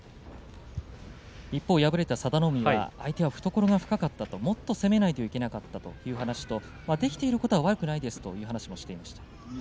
一方、敗れた佐田の海は相手は懐が深かったもっと攻めないといけない、できていることは悪くないという話もしていました。